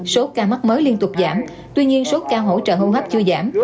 số ca mắc mới liên tục giảm tuy nhiên số ca hỗ trợ hô hấp chưa giảm